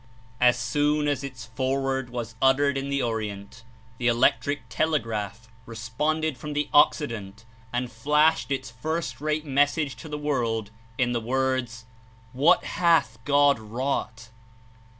As soon as its foreword was uttered in the Orient, the Electric Telegraph responded from the Occident and flashed its first great message to the world in the words: "What hath God wrought!"